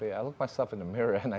saya melihat diri saya di jendela